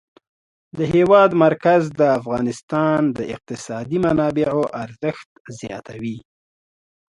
د هېواد مرکز د افغانستان د اقتصادي منابعو ارزښت زیاتوي.